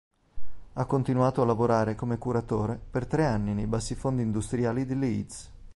Ha continuato a lavorare come curatore per tre anni nei bassifondi industriali di Leeds.